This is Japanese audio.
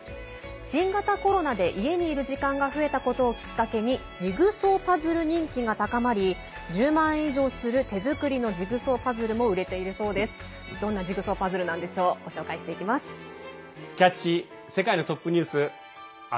新型コロナで家にいる時間が増えたことをきっかけにジグソーパズル人気が高まり１０万円以上する手作りのジグソーパズルも売れているそうです。